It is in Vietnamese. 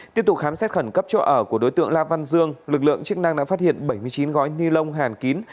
tiếp tục khám xét khẩn cấp chỗ ở của đối tượng la văn dương lực lượng chức năng đã phát hiện bảy mươi chín gói ni lông hàn kín